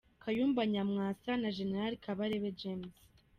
Kayumba Nyamwasa na Gen. Kabarebe James